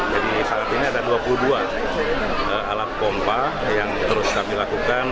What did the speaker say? jadi saat ini ada dua puluh dua alat pompa yang harus kami lakukan